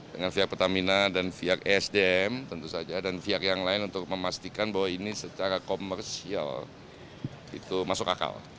dengan vr pertamina dan vr esdm tentu saja dan vr yang lain untuk memastikan bahwa ini secara komersial itu masuk akal